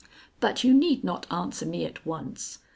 But you need not answer me at once.